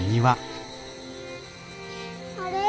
あれ？